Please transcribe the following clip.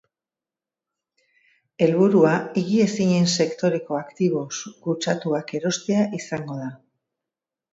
Helburua higiezinen sektoreko aktibo kutsatuak erostea izango da.